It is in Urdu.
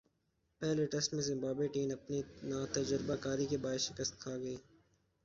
پہلے ٹیسٹ میں زمبابوے ٹیم اپنی ناتجربہ کاری کے باعث شکست کھاگئی ۔